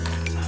k dam malah